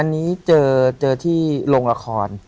อันนี้เจอที่โรงละคร